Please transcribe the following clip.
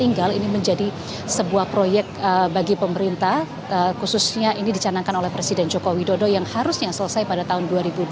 tinggal ini menjadi sebuah proyek bagi pemerintah khususnya ini dicanangkan oleh presiden joko widodo yang harusnya selesai pada tahun dua ribu dua puluh